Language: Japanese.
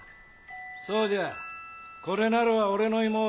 そうじゃこれなるは俺の妹。